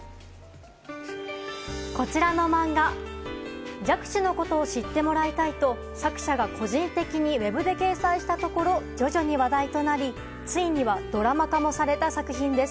こちらの漫画弱視のことを知ってもらいたいと作者が個人的にウェブで掲載したところ徐々に話題となり、ついにはドラマ化もされた作品です。